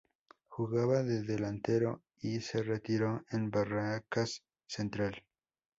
Jugaba de delantero y se retiró en Barracas Central.